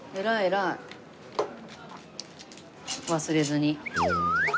忘れずに。